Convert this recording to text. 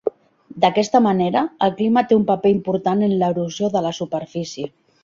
D'aquesta manera, el clima té un paper important en l'erosió de la superfície.